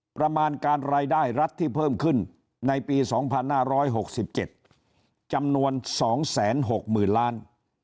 ประมาณการรายได้รัฐที่เพิ่มขึ้นในปี๒๕๖๗จำนวน๒๖๐๐๐ล้าน